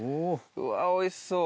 うわおいしそう。